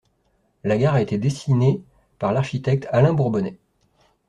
La gare a été dessinée par l'architecte Alain Bourbonnais.